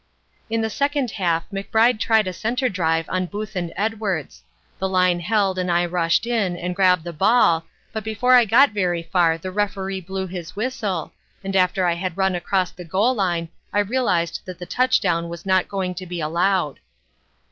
"In the second half McBride tried a center drive on Booth and Edwards. The line held and I rushed in, and grabbed the ball, but before I got very far the Referee blew his whistle, and after I had run across the goal line I realized that the touchdown was not going to be allowed.